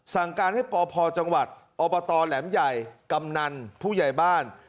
สั่งการให้ปพจังหวัดอบตแหลมใหญ่กำนันผู้ใหญ่บ้าน